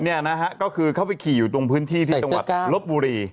เนี่ยนะฮะก็คือเขาไปขี่อยู่ตรงพื้นที่ที่จังหวัดลบบุรี